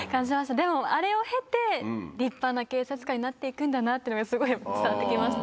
でもあれを経て、立派な警察官になっていくんだなっていうのが、すごい伝わってきました。